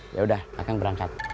ya udah akan berangkat